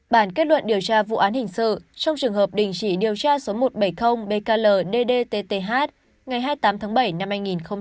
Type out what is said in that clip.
bản kết luận điều tra vụ án hình sự trong trường hợp đình chỉ điều tra số một trăm bảy mươi bkl ddtt ngày hai mươi tám tháng bảy năm hai nghìn hai mươi